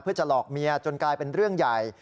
เพื่อจะหลอกเมียจนกลายเป็นเรื่องใหญ่